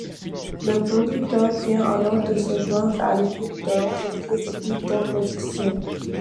Le producteur vient alors de se joindre à l’équipe de l'entreprise Brick Top Productions.